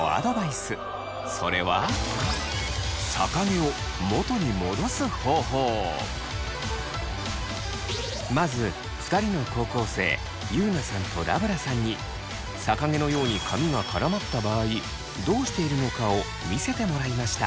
それはまず２人の高校生ゆうなさんとラブラさんに逆毛のように髪が絡まった場合どうしているのかを見せてもらいました。